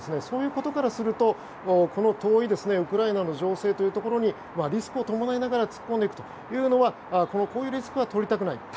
そういうことからするとこの遠いウクライナの情勢というところにリスクを伴いながら突っ込んでいくというのはこういうリスクは取りたくない。